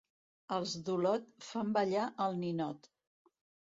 Els d'Olot, fan ballar el ninot.